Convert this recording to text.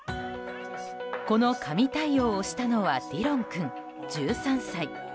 この神対応をしたのはディロン君、１３歳。